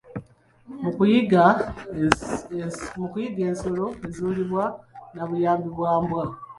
Mu kuyigga, ensolo ezuulibwa na buyambi bwa mbwa.